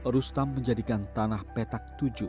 rustam menjadikan tanah petak tujuh